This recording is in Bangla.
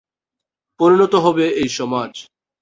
পরিণত হবে এই সমাজ।